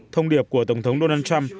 thông điệp của tổng thống donald trump